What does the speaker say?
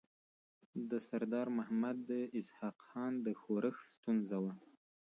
د سردار محمد اسحق خان د ښورښ ستونزه وه.